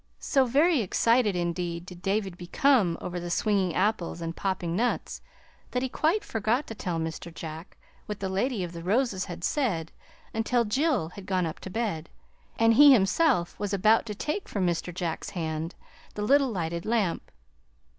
So very excited, indeed, did David become over the swinging apples and popping nuts that he quite forgot to tell Mr. Jack what the Lady of the Roses had said until Jill had gone up to bed and he himself was about to take from Mr. Jack's hand the little lighted lamp.